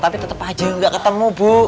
tapi tetep aja gak ketemu bu